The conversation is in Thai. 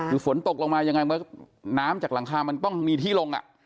คือฝนตกลงมายังไงเมื่อน้ำจากหลังคามันต้องมีที่ลง